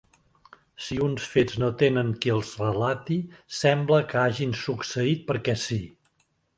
Si uns fets no tenen qui els relati sembla que hagin succeït perquè sí.